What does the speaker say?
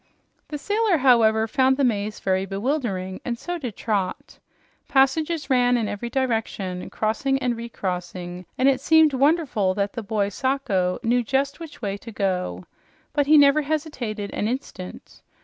The sailor, however, found the maze very bewildering, and so did Trot. Passages ran in every direction, crossing and recrossing, and it seemed wonderful that the boy Sacho knew just which way to go. But he never hesitated an instant.